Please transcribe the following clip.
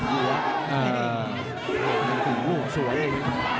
เออกันอีก